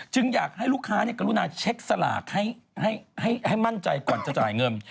อยากให้ลูกค้ากรุณาเช็คสลากให้มั่นใจก่อนจะจ่ายเงิน